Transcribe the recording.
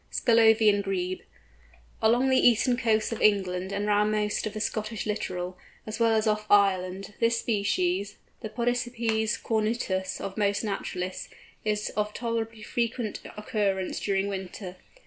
SCLAVONIAN GREBE. Along the eastern coasts of England, and round most of the Scottish littoral, as well as off Ireland, this species, the Podicipes cornutus of most naturalists, is of tolerably frequent occurrence during winter.